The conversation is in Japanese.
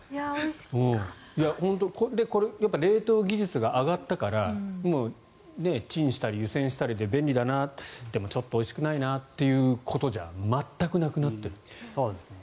冷凍技術が上がったからチンしたり湯煎したりで便利だなでもちょっとおいしくないなってことじゃ全くなくなってる。